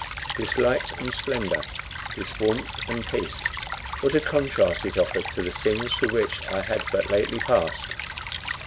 This light and splendor, this warmth and peace what a contrast it offered to the scenes through which I had but lately passed!